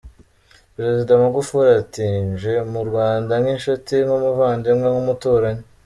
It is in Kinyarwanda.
Perezida Magufuli ati "Nje mu Rwanda nk’inshuti, nk’umuvandimwe, nk’umuturanyi.